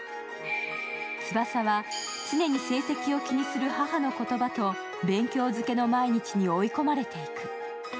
翼は常に成績を気にする母の言葉と勉強漬けの毎日に追い込まれていく。